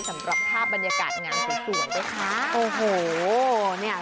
สำหรับภาพบรรยากาศงานสวยสวยนะคะโอ้โหเนี่ย